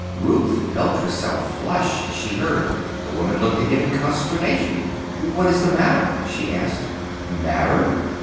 Ruth felt herself flush as she heard. The woman looked at him in consternation. "What is the matter?" she asked. "Matter?